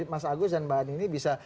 mas agus dan mbak ani ini bisa